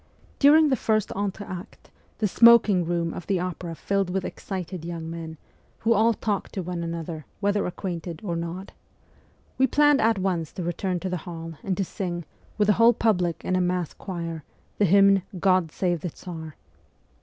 During the first entr'acte the smoking room of the opera filled with excited young men, who all talked to one another, whether acquainted or not. We planned at once to return to the hall, and to sing, with the THE CORPS OF PAGES 157 whole public in a mass choir, the hymn ' God Save the Tsar.'